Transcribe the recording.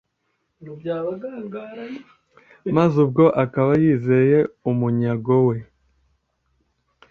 Maze ubwo akaba yizeye umunyago we